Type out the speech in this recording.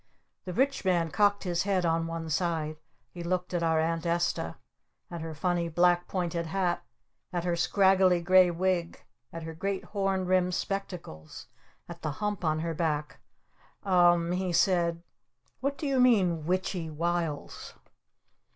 The Rich Man cocked his head on one side. He looked at our Aunt Esta. At her funny black pointed hat. At her scraggly gray wig. At her great horn rimmed spectacles. At the hump on her back. "U m m," he said. "What do you mean, 'witch y wiles?'"